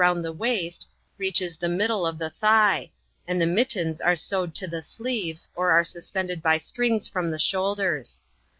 121 round the waist, reaches the middle of the thigh; and the mittens are sewed to the sleeves, or are suspended hy strings from the shoulders.